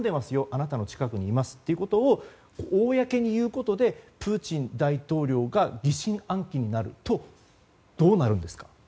あなたの近くにいますということを公に言うことでプーチン大統領が疑心暗鬼になるとどうなるんですか？